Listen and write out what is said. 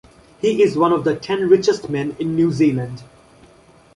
He is one of the ten richest men in New Zealand.